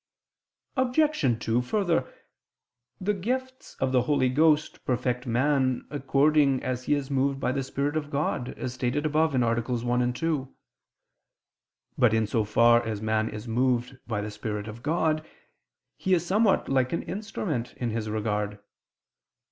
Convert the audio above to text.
Obj. 2: Further, the gifts of the Holy Ghost perfect man according as he is moved by the Spirit of God, as stated above (AA. 1, 2). But in so far as man is moved by the Spirit of God, he is somewhat like an instrument in His regard.